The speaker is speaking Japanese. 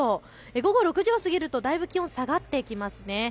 午後６時を過ぎるとだいぶ気温、下がってきますね。